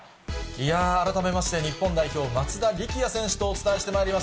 いやー、改めまして日本代表、松田力也選手とお伝えしてまいります。